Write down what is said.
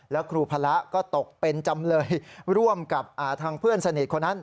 แล้วครูพระก็ตกเป็นจำเลยร่วมกับทางเพื่อนสนิทคนนั้น